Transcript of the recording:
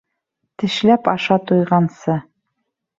Тешләп аша туйғансы.